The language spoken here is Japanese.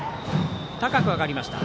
高く上がりました。